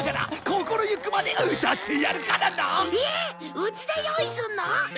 うちで用意するの？